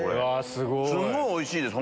すんごいおいしいです。